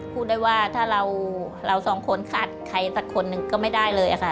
พูดได้ว่าถ้าเราสองคนขาดใครสักคนหนึ่งก็ไม่ได้เลยค่ะ